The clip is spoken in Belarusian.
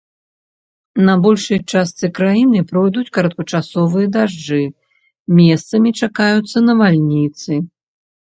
На большай частцы краіны пройдуць кароткачасовыя дажджы, месцамі чакаюцца навальніцы.